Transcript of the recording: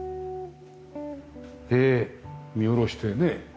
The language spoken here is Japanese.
で見下ろしてね。